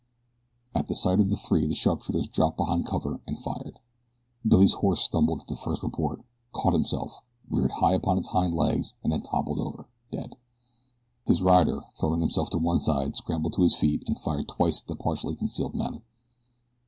At the sight of the three the sharpshooters dropped behind cover and fired. Billy's horse stumbled at the first report, caught himself, reared high upon his hind legs and then toppled over, dead. His rider, throwing himself to one side, scrambled to his feet and fired twice at the partially concealed men.